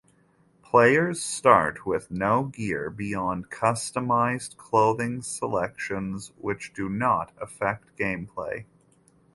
Players start with no gear beyond customized clothing selections which do not affect gameplay.